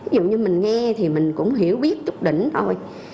ví dụ như mình nghe thì mình cũng hiểu biết chúc đỉnh thôi